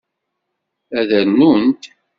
Ad rnunt?